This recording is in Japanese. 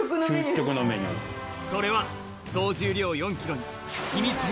それは総重量４ｋｇにところが！